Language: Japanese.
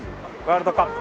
ワールドカップ。